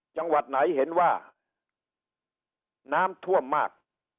จังหวัดไหนเห็นว่าน้ำท่วมมาก